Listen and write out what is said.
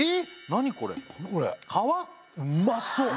何これ皮？うまそう！